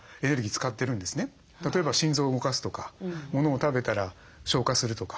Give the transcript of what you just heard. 例えば心臓を動かすとかものを食べたら消化するとかね